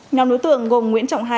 nhóm đối tượng gồm nguyễn trọng hà